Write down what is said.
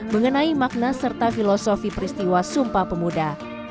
mengenai makna serta filosofi peristiwa sumpah pemuda